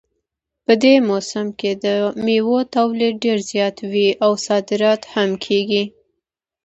په دې موسم کې د میوو تولید ډېر زیات وي او صادرات هم کیږي